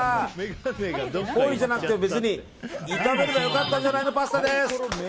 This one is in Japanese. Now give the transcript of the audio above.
ホイルじゃなくても別に炒めればよかったんじゃないのパスタです。